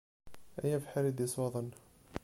Ay abeḥri i d-isuḍen.